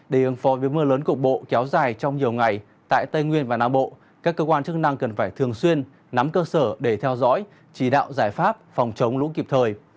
để ứng phó với mưa lớn cục bộ kéo dài trong nhiều ngày tại tây nguyên và nam bộ các cơ quan chức năng cần phải thường xuyên nắm cơ sở để theo dõi chỉ đạo giải pháp phòng chống lũ kịp thời